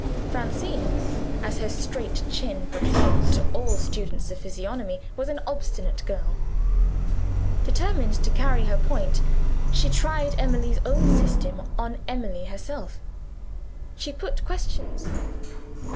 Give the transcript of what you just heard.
Francine (as her straight chin proclaimed to all students of physiognomy) was an obstinate girl. Determined to carry her point she tried Emily's own system on Emily herself she put questions.